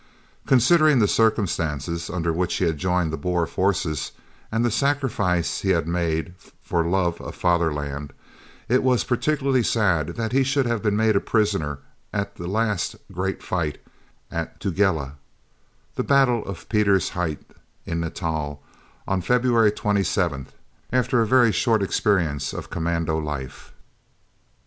Considering the circumstances under which he had joined the Boer forces and the sacrifice he had made for love of fatherland, it was particularly sad that he should have been made a prisoner at the last great fight at the Tugela, the battle of Pieter's Height in Natal, on February 27th, after a very short experience of commando life.